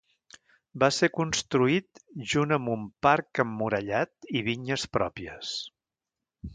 Va ser construït junt amb un parc emmurallat i vinyes pròpies.